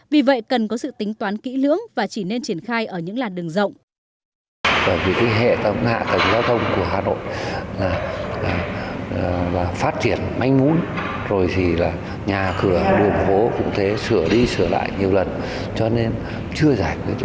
vì vậy cần có sự tính toán kỹ lưỡng và chỉ nên triển khai ở những làn đường rộng